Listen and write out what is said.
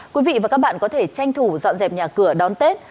quý vị và các bạn có thể tranh thủ dọn dẹp nhà cửa đón tết